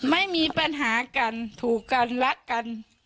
ไม่มีปัญหากันถูกกันรักกัน